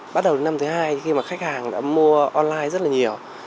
bắt đầu năm thứ hai khi mà khách hàng đã mua online rất là nhiều